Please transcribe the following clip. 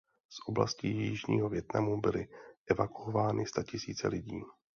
Z oblasti jižního Vietnamu byly evakuovány statisíce lidí.